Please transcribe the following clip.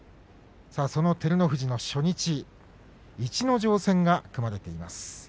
照ノ富士の初日逸ノ城戦が組まれています。